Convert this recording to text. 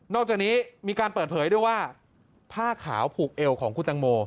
อกจากนี้มีการเปิดเผยด้วยว่าผ้าขาวผูกเอวของคุณตังโม